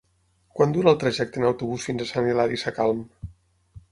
Quant dura el trajecte en autobús fins a Sant Hilari Sacalm?